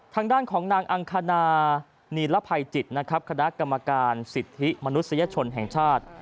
ด้านของของนางอังคารานีลระทะภัยจิตคาดกรรมการสิทธิ์มนุษยชนแห่งชาติ